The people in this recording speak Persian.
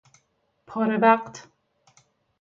پاره وقت